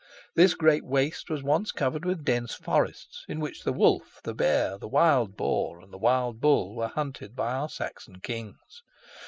This great waste was once covered with dense forests, in which the wolf, the bear, the wild boar, and the wild bull were hunted by our Saxon Kings.